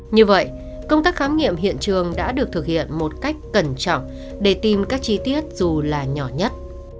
như vậy công tác khám nghiệm hiện trường đã được thực hiện một cách cẩn trọng để tìm các chi tiết dù là nhỏ nhất